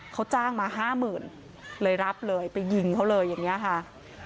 เขาจ้างมา๕๐๐๐๐เหรอบเลยไปยิงเขาเลยอย่างเนี้ยค่ะ